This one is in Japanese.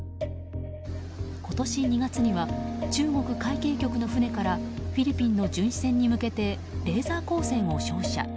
今年２月には中国海警局の船からフィリピンの巡視船に向けてレーザー光線を照射。